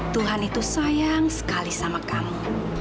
tuhan itu sayang sekali sama kamu